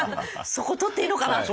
そこ取っていいのかな？っていう。